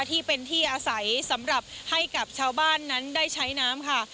ที่เป็นที่อาศัยสำหรับให้กับชาวบ้านนั้นได้ใช้น้ำค่ะ